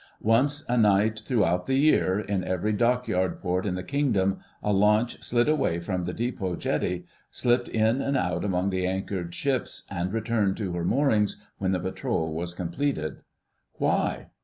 Once a night throughout the year, in every Dockyard Port in the kingdom, a launch slid away from the Depot jetty, slipped in and out among the anchored ships, and returned to her moorings when the patrol was completed. Why?